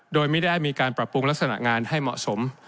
โดยไม่ได้มีการปรับปรุงลักษณะงานให้เหมาะสม